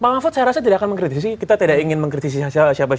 pak mahfud saya rasa tidak akan mengkritisi kita tidak ingin mengkritisi siapa siapa